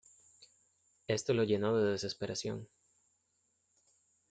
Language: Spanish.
Esto lo llenó de desesperación.